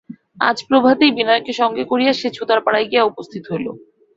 আজ প্রভাতেই বিনয়কে সঙ্গে করিয়া সে ছুতারপাড়ায় গিয়া উপস্থিত হইল।